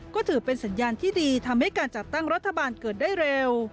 ก็ถือเป็นสัญญาณที่ดีทำให้การจัดตั้งรัฐบาลเกิดได้เร็ว